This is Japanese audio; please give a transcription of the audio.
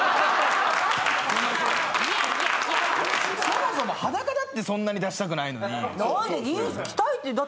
そもそも裸だってそんなに出したくないのに。